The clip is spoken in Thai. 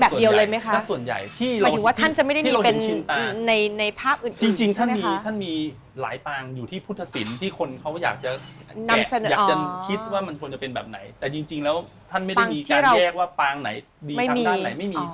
แต่จริงแล้วท่านไม่ได้มีการแยกว่าปางไหนดีทางด้านไหนไม่มี